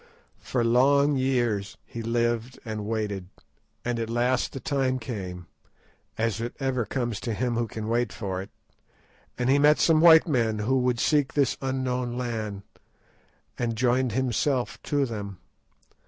For long years he lived and waited, and at last the time came, as it ever comes to him who can wait for it, and he met some white men who would seek this unknown land, and joined himself to them.